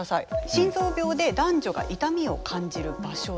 心臓病で男女が痛みを感じる場所です。